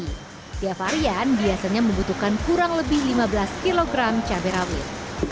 setiap varian biasanya membutuhkan kurang lebih lima belas kg cabai rawit